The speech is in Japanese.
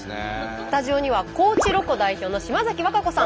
スタジオには高知ロコ代表の島崎和歌子さん。